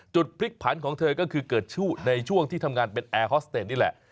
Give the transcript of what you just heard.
พลิกผันของเธอก็คือเกิดในช่วงที่ทำงานเป็นแอร์ฮอสเตจนี่แหละ